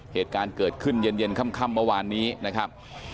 เหตุการณ์เกิดขึ้นเย็นค่ำเมื่อวานนี้นะครับ